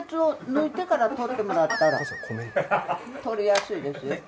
取りやすいですよ。